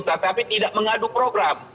tetapi tidak mengadu program